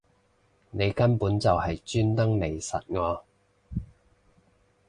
你根本就係專登嚟????實我